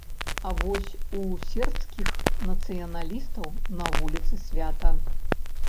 А вось у сербскіх нацыяналістаў на вуліцы свята.